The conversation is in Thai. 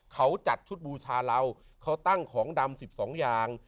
เขาจัดชุดบูชาเราเขาตั้งของดำ๑๒อย่าง